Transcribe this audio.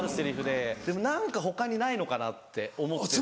でも何か他にないのかなって思って。